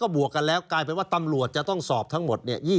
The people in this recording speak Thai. บวกกันแล้วกลายเป็นว่าตำรวจจะต้องสอบทั้งหมด